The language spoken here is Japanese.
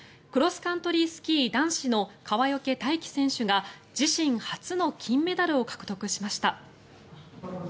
クロスカントリースキー男子の川除大輝選手が自身初の金メダルを獲得しました。